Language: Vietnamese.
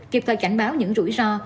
kiệp thời cảnh báo những rủi ro